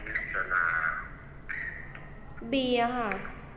คุณพ่อได้จดหมายมาที่บ้าน